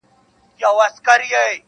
زموږ کورونه زموږ ښارونه پکښي ړنګ سي-